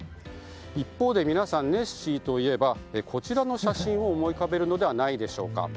一方で皆さん、ネッシーといえばこちらの写真を思い浮かべるのではないでしょうか。